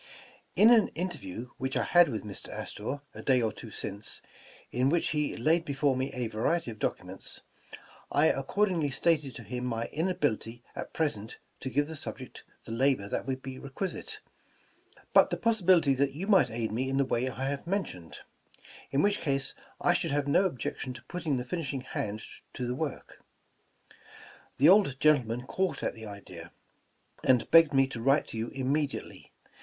''In an interview which I had with Mr Astor, a day or two since, in which he laid before me a variety of documents, I accordingly stated to him my inability at present to give the subject the labor that would be requisite, but the possibility that you might aid me in the way I have mentioned ; in which case I should have no objection to putting the finishing hand to the work. The old gentleman caught at the idea, and begged me to write to vou immediate! v.